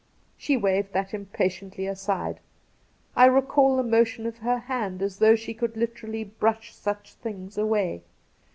She waved that impatiently aside. I recall the motion of her hand, as though she could literally brush such things away.